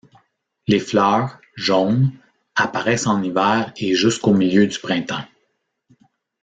Les fleurs, jaunes, apparaissent en hiver et jusqu'au milieu du printemps.